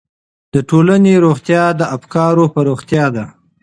د ټولنې روغتیا د افکارو په روغتیا ده.